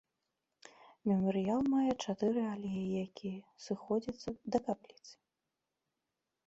Мемарыял мае чатыры алеі, які сходзяцца да капліцы.